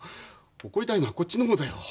怒りたいのはこっちのほうだよ。